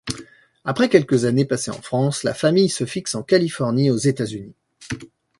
Après quelques années passées en France, la famille se fixe en Californie, aux États-Unis.